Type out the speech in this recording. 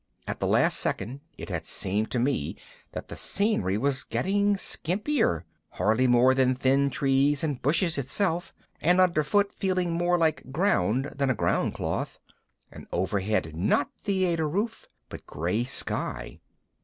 At the last second it had seemed to me that the scenery was getting skimpier, hardly more than thin trees and bushes itself, and underfoot feeling more like ground than a ground cloth, and overhead not theater roof but gray sky.